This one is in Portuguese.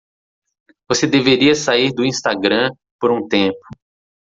Você deveria sair do Instagram por um tempo.